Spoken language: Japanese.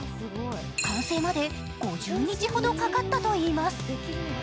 完成まで５０日ほどかかったといいます。